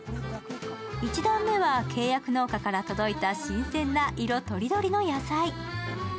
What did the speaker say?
１段目は契約農家から届いた新鮮な色とりどりの野菜。